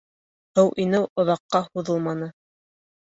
Һыу инеү оҙаҡҡа һуҙылманы.